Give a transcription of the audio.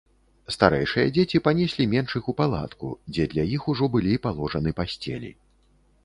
Старэйшыя дзеці панеслі меншых у палатку, дзе для іх ужо былі паложаны пасцелі.